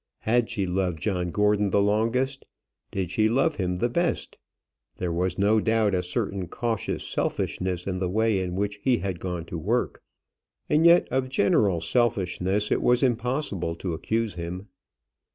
Had she loved John Gordon the longest? Did she love him the best? There was no doubt a certain cautious selfishness in the way in which he had gone to work. And yet of general selfishness it was impossible to accuse him.